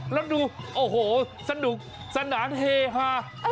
แล้วดูโอ้โหสนุกสนานเฮฮา